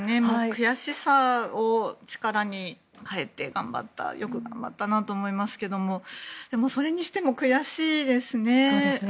悔しさを力に変えて頑張ったよく頑張ったなと思いますがでもそれにしても悔しいですね。